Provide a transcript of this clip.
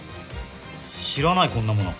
知らないこんなもの。